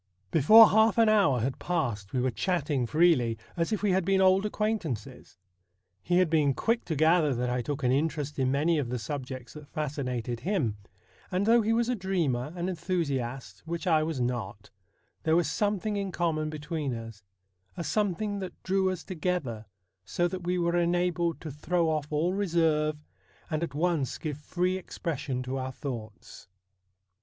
28 STORIES WEIRD AND WONDERFUL Before half an hour had passed we were chatting freely, as if we had been old acquaintances. He had been quick to gather that I took an interest in many of the subjects that fascinated him, and though he was a dreamer, an enthusiast, which I was not, there was something in common between us ; a something that drew us together, so that we were enabled to throw off all reserve and at once give free expression to our thoughts.